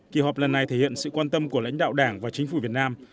kỳ họp lần này thể hiện sự quan tâm của lãnh đạo đảng và chính phủ việt nam